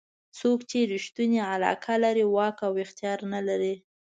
څوک چې ریښتونې علاقه لري واک او اختیار نه لري.